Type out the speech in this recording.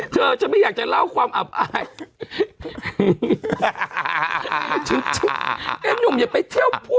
เธอฉันไม่อยากจะเล่าความอภาค